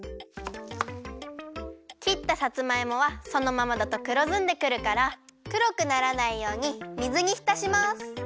きったさつまいもはそのままだとくろずんでくるからくろくならないように水にひたします。